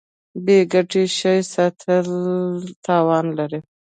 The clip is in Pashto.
بې ګټې شی ساتل تاوان دی.